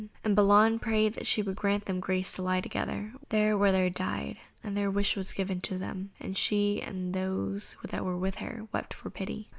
And Balan prayed that she would grant them the grace to lie together, there where they died, and their wish was given them, and she and those that were with her wept for pity.